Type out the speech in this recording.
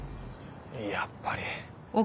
やっぱり。